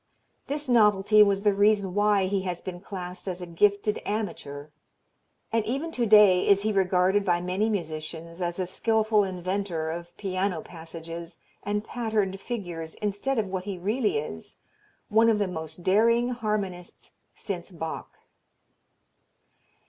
This novelty was the reason why he has been classed as a "gifted amateur" and even to day is he regarded by many musicians as a skilful inventor of piano passages and patterned figures instead of what he really is one of the most daring harmonists since Bach.